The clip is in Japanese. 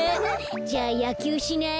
じゃあやきゅうしない？